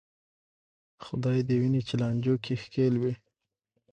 خدای دې دې ویني چې لانجو کې ښکېل وې.